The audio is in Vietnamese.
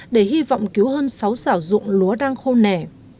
để hy vọng cứu hơn sáu xảo dụng lúa đang khô nẻ